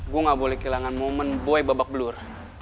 gue gak boleh kehilangan momen boy babak belur